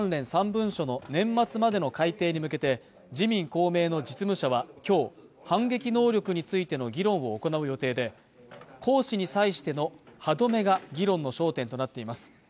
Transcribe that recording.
３文書の年末までの改定に向けて自民・公明の実務者はきょう反撃能力についての議論を行う予定で行使に際しての歯止めが議論の焦点となっています